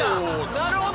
なるほど！